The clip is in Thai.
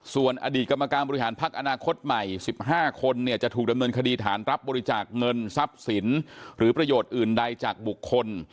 ส่วนอดีตกรรมการบริหารพักอนาคตใหม่๑๕คนเนี่ยจะถูกดำเนินคดีฐานรับบริจาคเงินทรัพย์สินหรือประโยชน์อื่นใดจากบุคคล